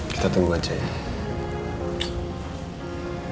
kita tunggu aja ya